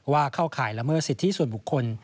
เข้าข่ายละเมิดสิทธิส่วนบุคคล